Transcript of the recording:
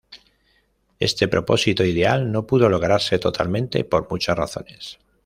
Éste propósito ideal no pudo lograrse totalmente por muchas razones.